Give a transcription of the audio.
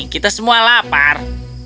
kita semua lapar